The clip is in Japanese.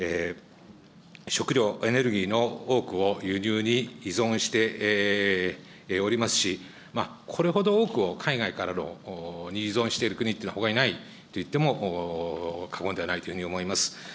食料、エネルギーの多くを輸入に依存しておりますし、これほど多くを海外からの、に依存している国というのはほかにないといっても過言ではないというふうに思います。